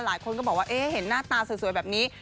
หลายคนก็บอกว่าเห็นหน้าตาสวยแบบนี้